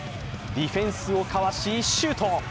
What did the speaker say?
ディフェンスをかわし、シュート。